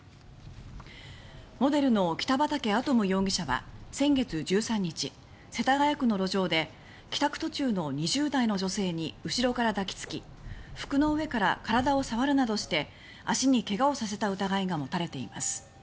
モデルの北畠亜都夢容疑者は先月１３日世田谷区の路上で帰宅途中の２０代の女性に後ろから抱きつき服の上から体を触るなどして足にけがをさせた疑いがもたれています。